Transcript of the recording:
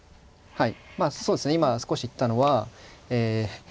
はい。